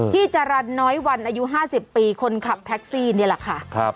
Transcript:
จรรย์น้อยวันอายุ๕๐ปีคนขับแท็กซี่นี่แหละค่ะ